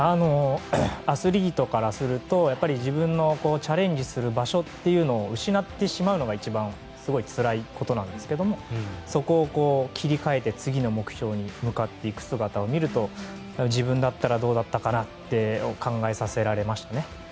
アスリートからすると自分のチャレンジする場所を失ってしまうのが一番つらいことなんですけどそこを切り替えて、次の目標に向かっていく姿を見ると自分だったらどうだったかなって考えさせられましたね。